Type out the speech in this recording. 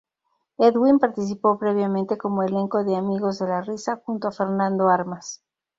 Edwin participó previamente como elenco de "Amigos de la risa" junto a Fernando Armas.